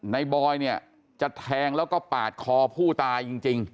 บอยเนี่ยจะแทงแล้วก็ปาดคอผู้ตายจริง